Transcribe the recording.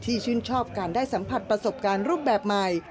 ชื่นชอบการได้สัมผัสประสบการณ์รูปแบบใหม่